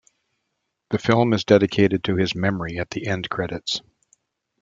The film is dedicated to his memory at the end credits.